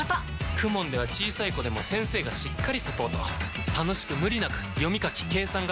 ＫＵＭＯＮ では小さい子でも先生がしっかりサポート楽しく無理なく読み書き計算が身につきます！